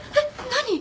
何！？